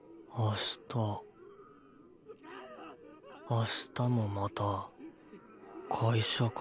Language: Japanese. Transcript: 明日もまた会社か。